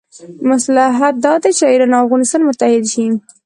مصلحت دا دی چې ایران او افغانستان متحد شي.